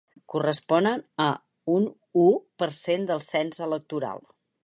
Corresponen a un u per cent del cens electoral.